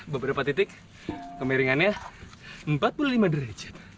beberapa titik kemiringannya empat puluh lima derajat